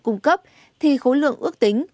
cung cấp thì khối lượng ước tính